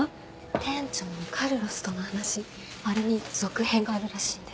店長のカルロスとの話あれに続編があるらしいんです。